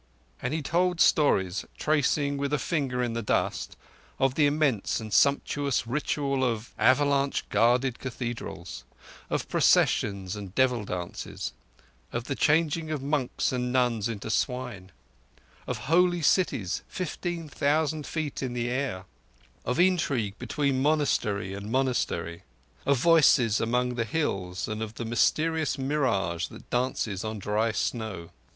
And he told stories, tracing with a finger in the dust, of the immense and sumptuous ritual of avalanche guarded cathedrals; of processions and devil dances; of the changing of monks and nuns into swine; of holy cities fifteen thousand feet in the air; of intrigue between monastery and monastery; of voices among the hills, and of that mysterious mirage that dances on dry snow.